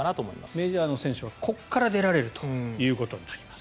メジャーの選手はここから出られるということになります。